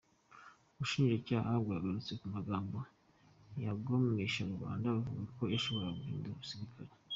Ubushijacyaha bwagarutse ku magambo yagomesha rubanda buvuga ko yashoboraga guhindura abasirikare.